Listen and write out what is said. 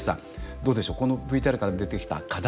どうでしょうこのＶＴＲから出てきた課題